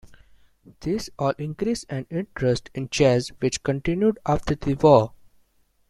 This all increased an interest in jazz which continued after the war.